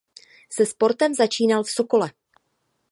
Se sportem začínal v Sokole.